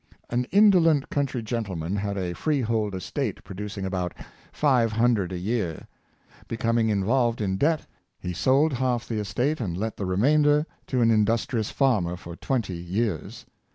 An indolent country gentleman had a freehold estate producing about five hundred a year. Becoming involved in debt, be sold half the es tate, and let the remainder to an industrious farmer for twenty years.